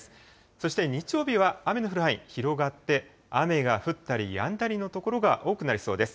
そして日曜日は、雨の降る範囲広がって、雨が降ったりやんだりの所が多くなりそうです。